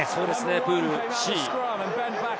プールＣ。